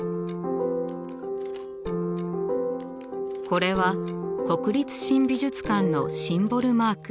これは国立新美術館のシンボルマーク。